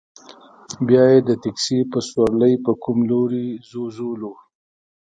بیا یې د تکسي په سورلۍ په کوم لوري ځوځولو.